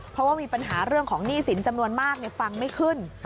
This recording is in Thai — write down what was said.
เพราะว่ามีปัญหาเรื่องของหนี้สินจำนวนมากฟังไม่ขึ้น